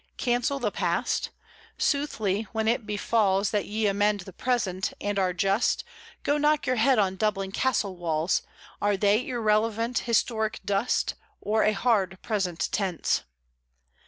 Cancel the past? Soothly when it befalls That ye amend the present, and are just, Go knock your head on Dublin Castle walls: Are they irrelevant, historic dust, Or a hard present tense?